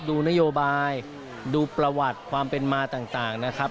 ดูนโยบายดูประวัติความเป็นมาต่างนะครับ